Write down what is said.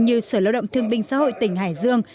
như sở lao động thương binh xã hội tỉnh hải dương